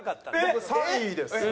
僕３位です。